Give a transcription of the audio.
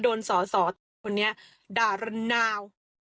โดนสอสอและแบบนี้ด่ารั้นาว